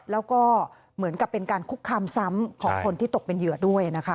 แล้วก็เหมือนกับเป็นการคุกคามซ้ำของคนที่ตกเป็นเหยื่อด้วยนะคะ